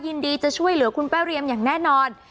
ยินดีจะช่วยเหลือคุณป้าเรียมอย่างแน่นอน